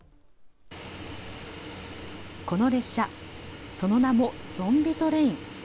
この列車、その名もゾンビトレイン。